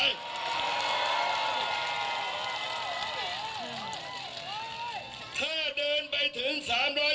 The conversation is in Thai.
ที่นั่งในบริดาราย